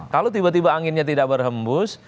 kalau tiba tiba anginnya tidak berhembus